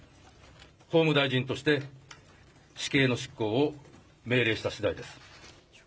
法務大臣として死刑の執行を命令したしだいです。